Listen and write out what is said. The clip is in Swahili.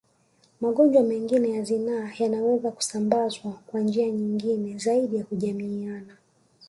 Magonjwa mengine ya zinaa yanaweza kusambazwa kwa njia nyingine zaidi ya kujamiiana